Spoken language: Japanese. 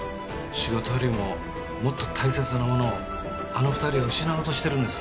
仕事よりももっと大切なものをあの２人は失おうとしてるんです。